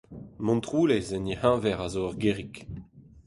Montroulez en he c’heñver a zo ur gêrig.